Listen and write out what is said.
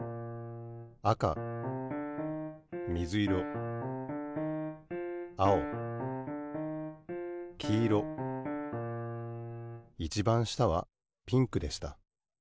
あかみずいろあおきいろいちばん下はピンクでした。